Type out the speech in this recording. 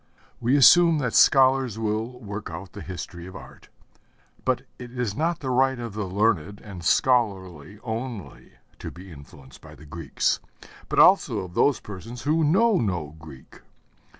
We assume that scholars will work out the history of art. But it is not the right of the learned and scholarly only, to be influenced by the Greeks, but also of those persons who know no Greek.